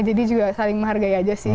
juga saling menghargai aja sih